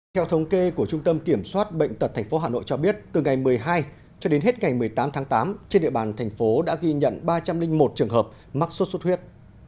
theo thống kê của trung tâm kiểm soát bệnh tật tp hà nội cho biết từ ngày một mươi hai cho đến hết ngày một mươi tám tháng tám trên địa bàn thành phố đã ghi nhận ba trăm linh một trường hợp mắc sốt xuất huyết